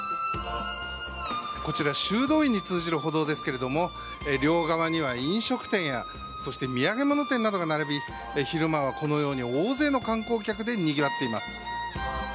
こちら修道院に通じる歩道ですけれども両側には飲食店やそして土産物店などが並び昼間は、このように大勢の観光客でにぎわっています。